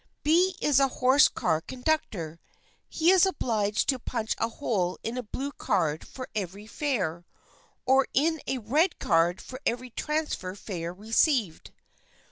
" B is a horse car conductor. He is obliged to punch a hole in a blue card for every fare, or in a red card for each transfer fare received.